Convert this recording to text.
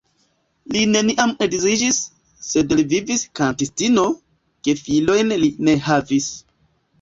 Li neniam edziĝis, sed li vivis kantistino, gefilojn li ne havis.